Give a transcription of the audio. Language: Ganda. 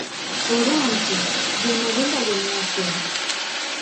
Oba nti, “Gemabumba gemookya?